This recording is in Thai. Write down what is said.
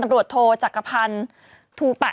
เมื่อ